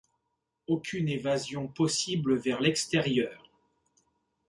Aucune évasion possible vers l'extérieur.